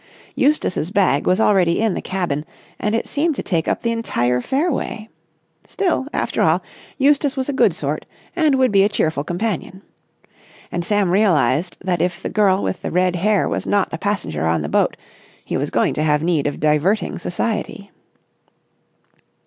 Eustace's bag was already in the cabin, and it seemed to take up the entire fairway. Still, after all, Eustace was a good sort, and would be a cheerful companion. And Sam realised that if the girl with the red hair was not a passenger on the boat, he was going to have need of diverting society.